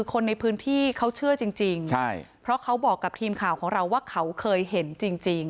คนในพื้นที่เขาเชื่อจริงใช่เพราะเขาบอกกับทีมข่าวของเราว่าเขาเคยเห็นจริง